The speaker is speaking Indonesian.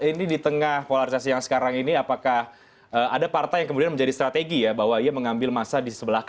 ini di tengah polarisasi yang sekarang ini apakah ada partai yang kemudian menjadi strategi ya bahwa ia mengambil masa di sebelah kanan